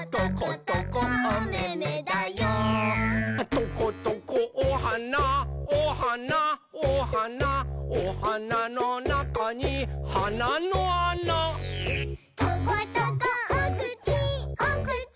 「トコトコおはなおはなおはなおはなのなかにはなのあな」「トコトコおくちおくち